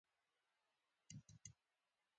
د خرابې خاورې پر ځای باید نوي مواد واچول شي